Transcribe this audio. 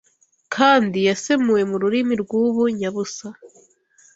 kandi yasemuwe mu rurimi rw’ubu nyabusa